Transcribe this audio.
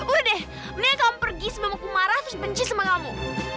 udah deh kamu pergi sebelum aku marah terus benci sama kamu